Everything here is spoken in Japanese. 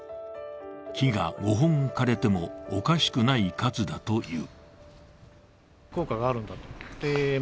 木が５本枯れてもおかしくない数だという。